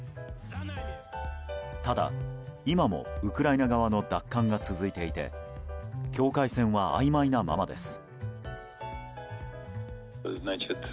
ただ、今もウクライナ側の奪還が続いていて境界線はあいまいなままです。